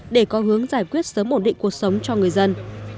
để có hướng giải quyết sớm ổn định cuộc sống cho người dân